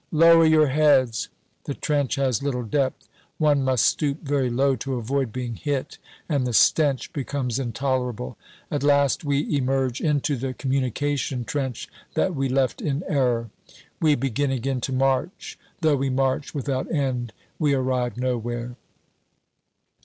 "Lower your heads!" The trench has little depth; one must stoop very low to avoid being hit, and the stench becomes intolerable. At last we emerge into the communication trench that we left in error. We begin again to march. Though we march without end we arrive nowhere.